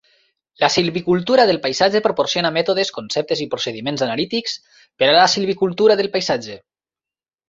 La silvicultura del paisatge proporciona mètodes, conceptes i procediments analítics per a la silvicultura del paisatge.